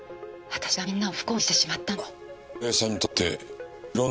私がみんなを不幸にしてしまったんです。